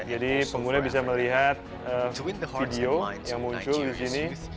jadi pengguna bisa melihat video yang muncul di sini